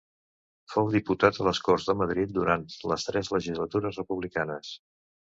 Fou diputat a les Corts de Madrid durant les tres legislatures republicanes.